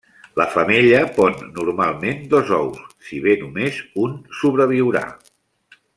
La femella pon normalment dos ous, si bé només un sobreviurà.